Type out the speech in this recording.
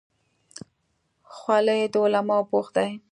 خولۍ د علماو پوښ دی.